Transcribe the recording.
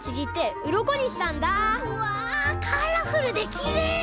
うわカラフルできれい！